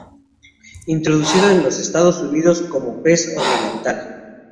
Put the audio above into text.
Introducido en los Estados Unidos como pez ornamental